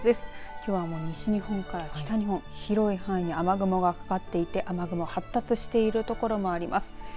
きょうは西日本から北日本広い範囲に雨雲がかかっていて雨雲が発達している所があります。